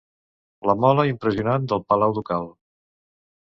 La mola impressionant del palau ducal.